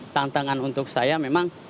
tantangan untuk saya memang